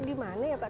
di mana ya pak